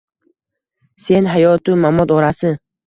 Sen hayot-u mamot orasi –